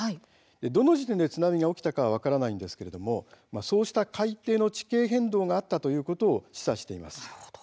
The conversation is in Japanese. どの時点で津波が起きたかは分からないんですがそうした海底の地形変動があったということを示唆しています。